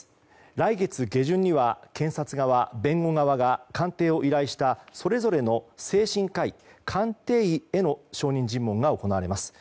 来月下旬には検察側、弁護側が鑑定を依頼したそれぞれの精神科医、鑑定医への証人尋問が行われます。